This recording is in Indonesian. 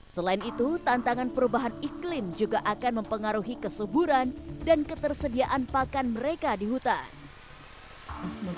selain itu tantangan perubahan iklim juga akan mempengaruhi kesuburan dan ketersediaan pakan mereka di hutan